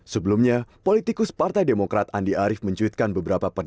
sebelumnya politikus partai demokrat andi arief mencuitkan beberapa pertanyaan